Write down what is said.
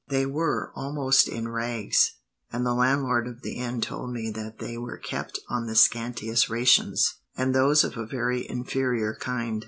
They were almost in rags, and the landlord of the inn told me that they were kept on the scantiest rations, and those of a very inferior kind.